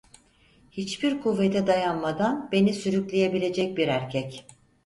Hiçbir kuvvete dayanmadan beni sürükleyebilecek bir erkek.